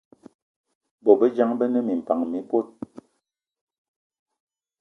Bôbejang be ne minpan mi bot